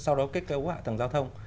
sau đó kết cấu hạ tầng giao thông